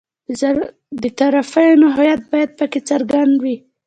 د طرفینو هویت باید په کې څرګند وي.